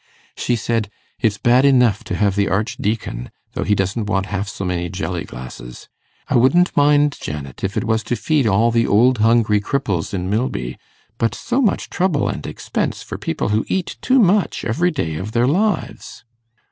She said, "It's bad enough to have the Archdeacon, though he doesn't want half so many jelly glasses. I wouldn't mind, Janet, if it was to feed all the old hungry cripples in Milby; but so much trouble and expense for people who eat too much every day of their lives!"